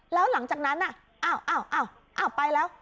แล้วหลังจากนั้นน่ะอ้าวอ้าวอ้าวไปแล้ว